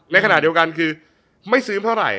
ในขณะเดียวกันคือไม่ซื้อเท่าไหร่